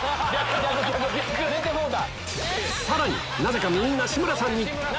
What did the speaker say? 寝てもうた！